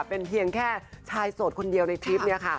เป็นเพียงแค่ชายโสดคนเดียวในทริปเนี่ยค่ะ